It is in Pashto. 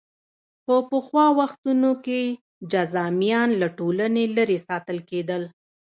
په پخوا وختونو کې جذامیان له ټولنې لرې ساتل کېدل.